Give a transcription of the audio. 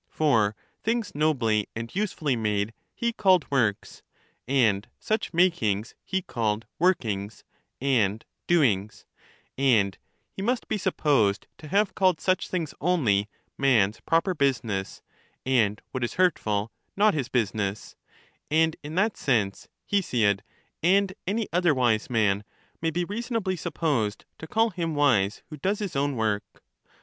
For things nobly and usefully made he called works ; and such makings he called workings, and doings; and he must be sup posed to have called such things only man's proper business, and what is hurtful, not his business: and in that sense Hesiod, and any other wise man, may be reasonably supposed to call him wise who does his own work.